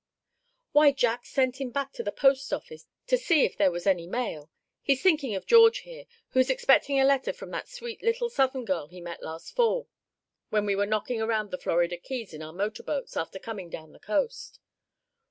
"Why, Jack sent him back to the post office to see if there was any mail. He's thinking of George here, who's expecting a letter from that sweet little Southern girl he met last fall, when we were knocking around the Florida Keys in our motor boats, after coming down the coast."